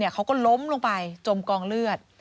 เขาก็ล้มลงไปจมกองเลือด